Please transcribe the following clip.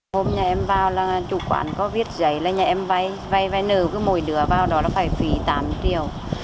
hôm nhà em vào là chủ quán có viết giấy là nhà em vay vay vay nờ cứ mỗi đứa vào đó phải phí tám triệu